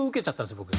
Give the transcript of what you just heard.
僕。